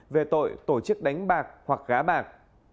về tội tổ chức đánh bạc hoặc gá bạc